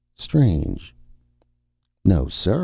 "Strange...." "No, sir.